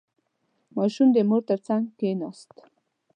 • ماشوم د مور تر څنګ کښېناست.